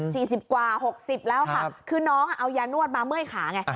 สิบกว่าหกสิบแล้วค่ะคือน้องอ่ะเอายานวดมาเมื่อยขาไง